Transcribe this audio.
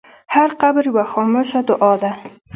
هر قبر یوه خاموشه دعا ده.